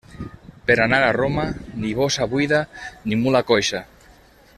Per anar a Roma, ni bossa buida ni mula coixa.